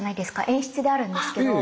演出であるんですけど。